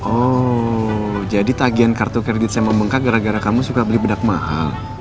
oh jadi tagihan kartu kredit saya membengkak gara gara kamu suka beli bedak mahal